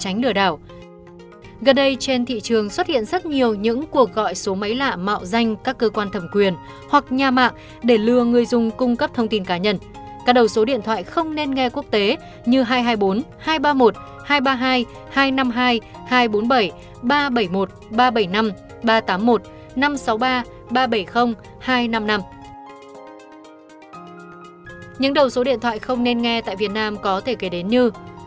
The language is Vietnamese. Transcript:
những đầu số điện thoại không nên nghe tại việt nam có thể kể đến như